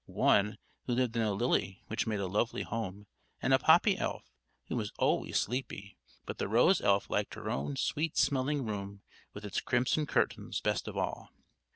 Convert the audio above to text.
One, who lived in a lily which made a lovely home; and a poppy elf, who was always sleepy; but the rose elf liked her own sweet smelling room, with its crimson curtains, best of all.